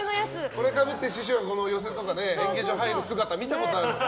これかぶって師匠が寄席とか演芸場入る姿見たことある。